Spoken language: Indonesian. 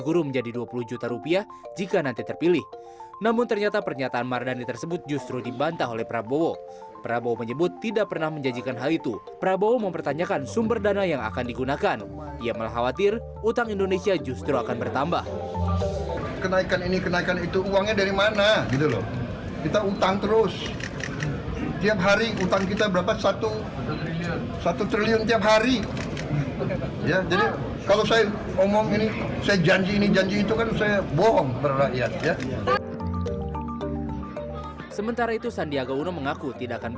guru guru yang memiliki tunjangan sertifikasi tunjangan tunjangan lain